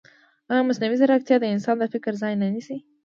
ایا مصنوعي ځیرکتیا د انسان د فکر ځای نه نیسي؟